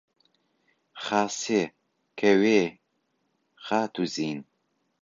خاسێ، کەوێ، خاتووزین